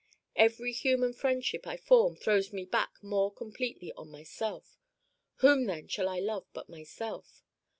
Every human friendship I form throws me back more completely on myself. Whom then shall I love but myself?